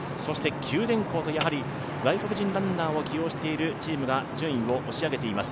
九電工と外国人ランナーを起用しているチームが順位を押し上げています。